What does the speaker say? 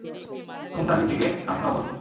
Room service থেকে Francois বলছি।